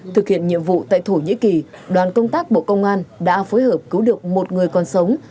thực hiện nhiệm vụ tại thổ nhĩ kỳ đoàn công tác bộ công an đã phối hợp cứu được một người còn sống